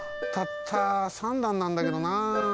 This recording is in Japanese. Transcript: たった３だんなんだけどな。